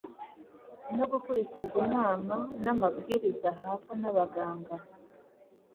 no gukurikiza inama n’amabwiriza ahabwa n’abaganga